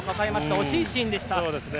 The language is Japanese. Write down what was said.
惜しいシーンでした。